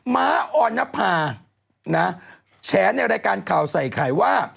ม้าออนภานะแฉในรายการข่าวใส่ไข่ว่า